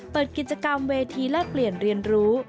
เปิดกิจกรรมเวทีแลกเปลี่ยนเรียนรู้